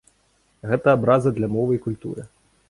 Гэта абраза для мовы і культуры.